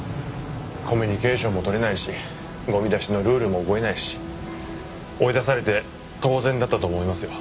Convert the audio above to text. コミュニケーションもとれないしゴミ出しのルールも覚えないし追い出されて当然だったと思いますよ。